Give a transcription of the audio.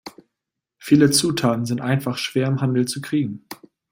Viele Zutaten sind einfach schwer im Handel zu kriegen.